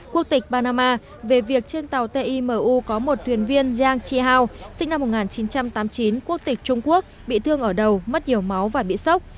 quốc tịch panama về việc trên tàu timu có một thuyền viên yang chi hao sinh năm một nghìn chín trăm tám mươi chín quốc tịch trung quốc bị thương ở đầu mất nhiều máu và bị sốc